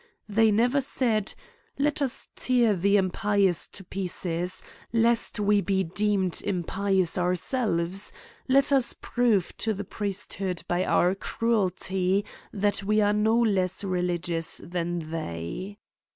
They never said, let us tear the impious to pieces, lest we be deemed impious ourselves — let us prove to the priesthood by our cruelty, that we are not less re ligious than they.''